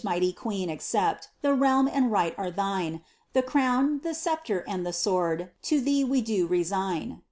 835 Which lioiBaga, mighty queen, accept,— the realm and right are thine ; The crown, the sceptre, and the sword, to thee we do resign."